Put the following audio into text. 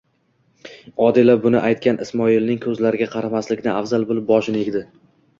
Odila bunia ytgan Ismoilning ko'zlariga qaramaslikni afzal bilib, boshini egdi.